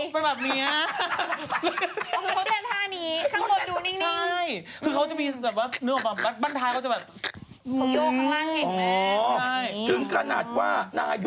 เพราะวันนี้หล่อนแต่งกันได้ยังเป็นสวย